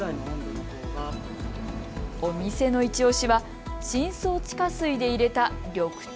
お店の一押しは、深層地下水で入れた緑茶。